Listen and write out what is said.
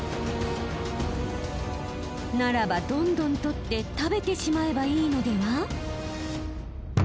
ならばどんどん取って食べてしまえばいいのでは？